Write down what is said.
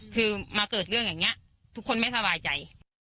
คือมาเกิดเรื่องอย่างนี้ทุกคนไม่สบายใจ